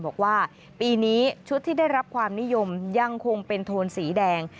บอกว่าปีนี้ชุดที่ได้รับความนิยมยังคงเป็นโทนสีแดง